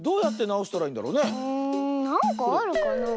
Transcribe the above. なんかあるかなあ？